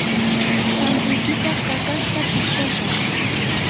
santuykipaq kakashta pistashaq.